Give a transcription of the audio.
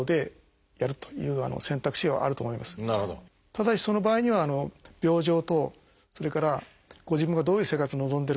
ただしその場合には病状とそれからご自分がどういう生活を望んでるかですね